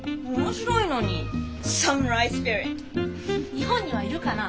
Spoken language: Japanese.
日本にはいるかな？